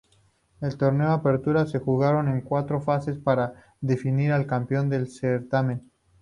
El Torneo Apertura se jugaron en cuatro fases para definir al campeón del certamen.